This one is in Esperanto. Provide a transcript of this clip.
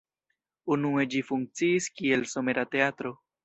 Unue ĝi funkciis kiel somera teatro.